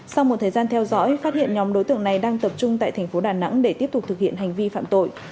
sau một thời gian theo dõi phát hiện nhóm đối tượng này đang tập trung tại thành phố đà nẵng để tiếp tục thực hiện hành vi phạm tội